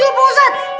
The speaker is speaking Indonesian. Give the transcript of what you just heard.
itu tuyul pak ustadz